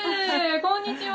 こんにちは。